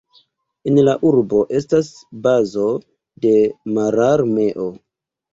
En la urbo estas bazo de Mararmeo.